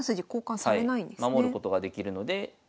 はい守ることができるので。